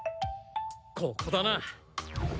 ここだな！